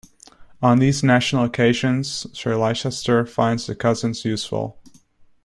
On these national occasions Sir Leicester finds the cousins useful.